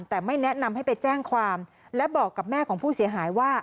แต่ไม่แนะนำให้ไปแจ้งความและบอกกับแม่ของผู้เสียหายว่า